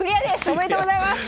おめでとうございます！